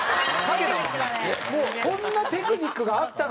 もうこんなテクニックがあったのか。